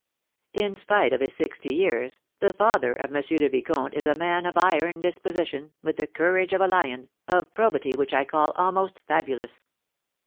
In spite of his sixty years, the father of M. le Vicomte is a man of iron disposition, with the courage of a lion, of probity which I call almost fabulous.